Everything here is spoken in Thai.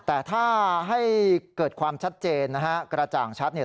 แต่ถ้าให้เกิดความชัดเจนนะฮะกระจ่างชัดเนี่ย